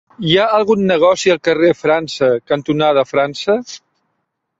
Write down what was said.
Hi ha algun negoci al carrer França cantonada França?